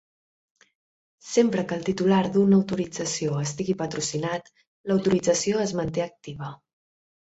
Sempre que el titular d'un autorització estigui patrocinat, l'autorització es manté activa.